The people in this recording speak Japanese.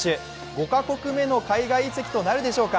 ５か国目の海外移籍となるでしょうか。